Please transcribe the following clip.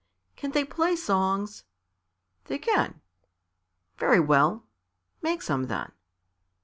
"Can they play songs?" "They can." "Very well; make some, then."